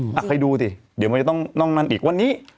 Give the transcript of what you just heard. อ้าวไปดูสิเดี๋ยวมันจะต้องนั่งมั่นอีกวันนี้